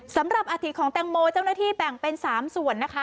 สำหรับอาทิตของแตงโมเจ้าหน้าที่แบ่งเป็น๓ส่วนนะคะ